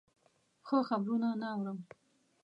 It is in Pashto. ښه خبرونه نه اورم.